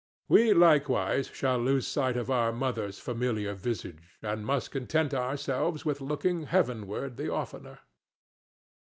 We likewise shall lose sight of our mother's familiar visage, and must content ourselves with looking heavenward the oftener.